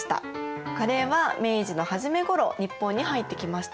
カレーは明治の初めごろ日本に入ってきました。